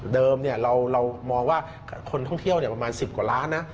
เดิมเรามองว่าคนท่องเที่ยวประมาณ๑๐กว่าล้านนะ